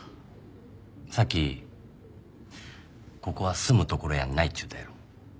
さっきここは住むところやないっちゅうたやろ。